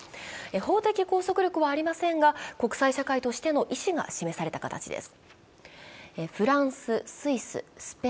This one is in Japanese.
法的拘束力はありませんが、国際社会としての意思が示された形です。